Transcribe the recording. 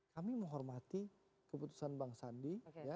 kami menghormati keputusan bang sandi